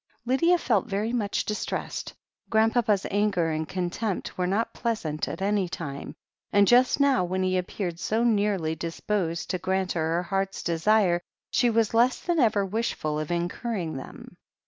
Lydia felt very much distressed. Grandpapa's anger and contempt were not pleasant at any time, and just now when he appeared so nearly disposed to grant her heart's desire, she was less than ever wishful of in curring them.